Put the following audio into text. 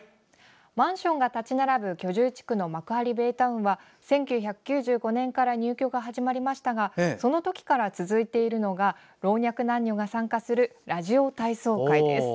マンションが立ち並ぶ居住地区の幕張ベイタウンは１９９５年から入居が始まりましたがその時から続いているのが老若男女が参加するラジオ体操会です。